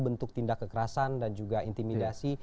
bentuk tindak kekerasan dan juga intimidasi